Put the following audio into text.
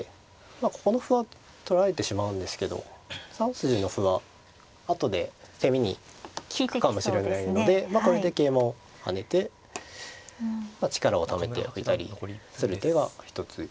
まあここの歩は取られてしまうんですけど３筋の歩は後で攻めに利くかもしれないのでまあこれで桂馬を跳ねて力をためておいたりする手が一つ考えられますかね。